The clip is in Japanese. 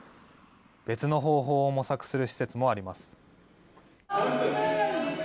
別の方法を模索する施設もあります。